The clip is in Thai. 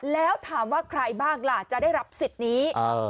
แล้วถามว่าใครบ้างล่ะจะได้รับสิทธิ์นี้